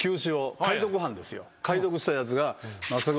解読したやつが。